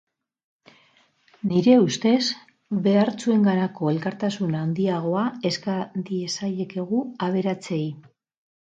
Nire ustez, behartsuenganako elkartasun handiagoa eska diezaiekegu aberatsei.